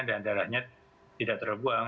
dan darahnya tidak terbuang